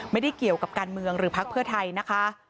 ไม่ได้เกี่ยวกับการเมืองหรือพักเพื่อไทยนะคะ